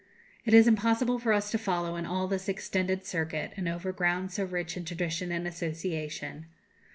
It is impossible for us to follow in all this extended circuit, and over ground so rich in tradition and association.